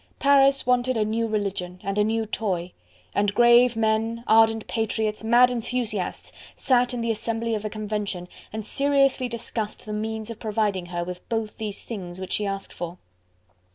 Paris wanted a new religion, and a new toy, and grave men, ardent patriots, mad enthusiasts, sat in the Assembly of the Convention and seriously discussed the means of providing her with both these things which she asked for.